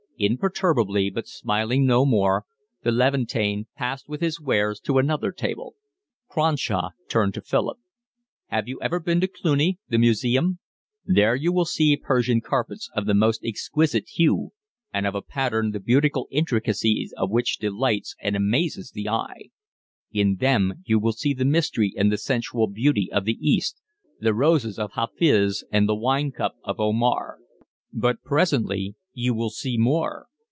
Imperturbably, but smiling no more, the Levantine passed with his wares to another table. Cronshaw turned to Philip. "Have you ever been to the Cluny, the museum? There you will see Persian carpets of the most exquisite hue and of a pattern the beautiful intricacy of which delights and amazes the eye. In them you will see the mystery and the sensual beauty of the East, the roses of Hafiz and the wine cup of Omar; but presently you will see more.